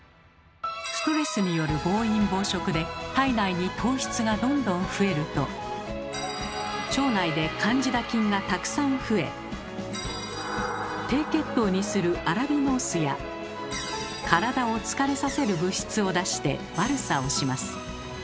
ストレスによる暴飲暴食で体内に糖質がどんどん増えると腸内でカンジダ菌がたくさん増え低血糖にするアラビノースや体を疲れさせる物質を出して悪さをします。